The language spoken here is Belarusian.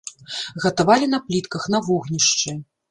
Гатавалі на плітках, на вогнішчы.